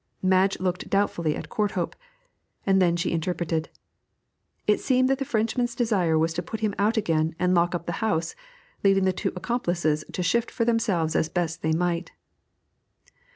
Madge looked doubtfully at Courthope, and then she interpreted. It seemed that the Frenchman's desire was to put him out again and lock up the house, leaving the two accomplices to shift for themselves as best they might.